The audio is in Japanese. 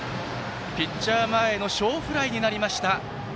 ピッチャー前への小フライになりました。